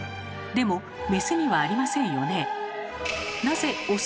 でもメスにはありませんよね。